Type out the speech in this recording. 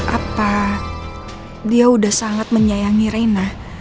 apa dia sudah sangat menyayangi reina